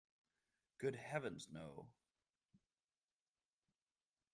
Good heavens, no.